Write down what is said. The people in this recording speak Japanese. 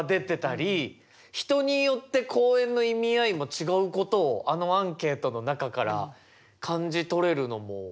人によって公園の意味合いも違うことをあのアンケートの中から感じ取れるのも。